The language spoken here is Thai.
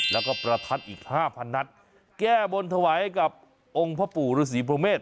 แล้วก็ประทัดอีก๕๐๐๐นัดแก้บนถวายให้กับองค์พระปู่รุศีพระเมฆ